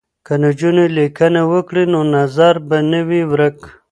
که نجونې لیکنه وکړي نو نظر به نه وي ورک.